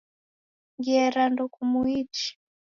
Ngera ndokumuichi